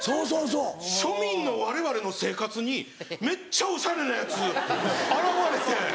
庶民のわれわれの生活にめっちゃおしゃれなやつ現れて。